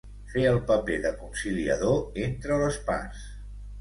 Fer el paper de conciliador entre les parts.